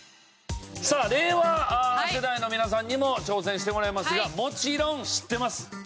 さあ令和世代の皆さんにも挑戦してもらいますがもちろん知ってます。